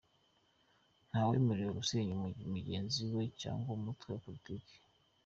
Ntawemerewe gusenya mugenzi we cyangwa umutwe wa Politiki.